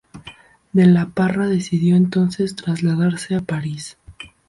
De la Parra decidió entonces trasladarse a París.